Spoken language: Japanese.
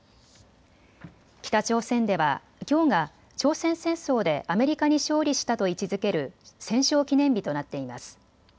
北朝鮮では、きょうが朝鮮戦争でアメリカに勝利したと位置づける戦勝記念日となっています。